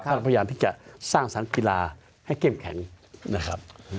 ทางพยานที่จะสร้างสารกีฬาให้เก่งแข็งนะครับ